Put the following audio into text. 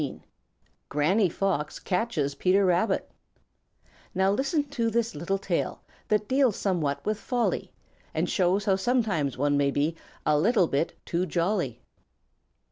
XVII GRANNY FOX CATCHES PETER RABBIT Now listen to this little tale That deals somewhat with folly, And shows how sometimes one may be A little bit too jolly.